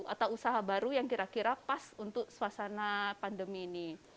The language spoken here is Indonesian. atau usaha baru yang kira kira pas untuk suasana pandemi ini